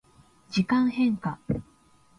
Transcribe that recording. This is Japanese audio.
時間変化